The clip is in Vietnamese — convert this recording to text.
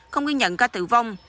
không ghi nhận ca tử vong